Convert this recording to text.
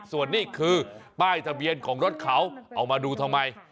ส่วนนี้คือป้ายทะเบียนของรถเขาเอามาดูทำไม